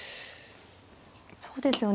そうですよね